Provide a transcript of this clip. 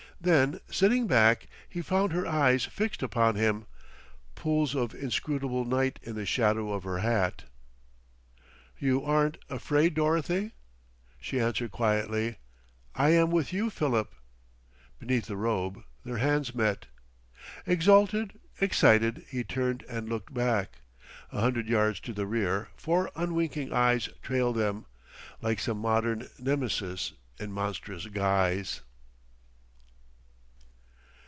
Then, sitting back, he found her eyes fixed upon him, pools of inscrutable night in the shadow of her hat. "You aren't afraid, Dorothy?" She answered quietly: "I am with you, Philip." Beneath the robe their hands met... Exalted, excited, he turned and looked back. A hundred yards to the rear four unwinking eyes trailed them, like some modern Nemesis in monstrous guise.